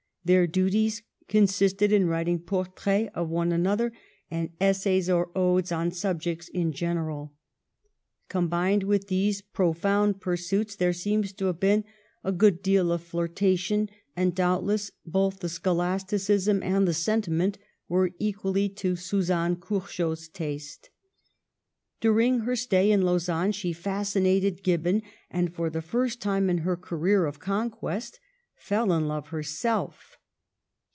Their duties consisted in writing portraits of one another, and essays or odes on subjects in general. Combined with these pro found pursuits there seems to have been a good deal of flirtation, and, doubtless, both the schol asticism and the sentiment were equally to Su zanne Curchod's taste. During her stay in Lausanne she fascinated Gibbon, and, for the first time in her career of conquest, fell in love herself.